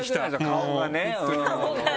「顔がね」？